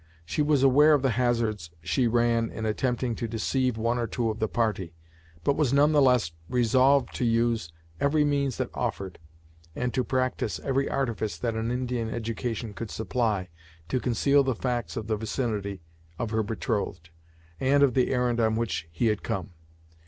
She was aware of the hazards she ran in attempting to deceive one or two of the party, but was none the less resolved to use every means that offered, and to practice every artifice that an Indian education could supply, to conceal the facts of the vicinity of her betrothed, and of the errand on which he had come.